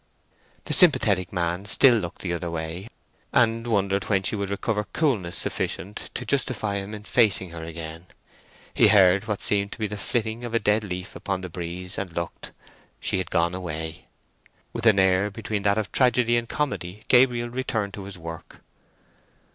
The sympathetic man still looked the other way, and wondered when she would recover coolness sufficient to justify him in facing her again. He heard what seemed to be the flitting of a dead leaf upon the breeze, and looked. She had gone away. With an air between that of Tragedy and Comedy Gabriel returned to his work.